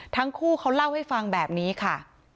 ทั้งคู่เขาเล่าให้ฟังแบบนี้ค่ะ